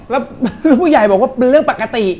แล้วผู้ใหญ่บอกว่าเป็นเรื่องปกติ